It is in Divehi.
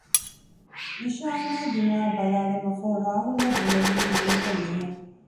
ވިޝާންއާ ދިމާއަށް ބަލާލުމަށްފަހު ރާހުލްއަށް ބުނެވުނީ ހަމައެކަނި އެހެން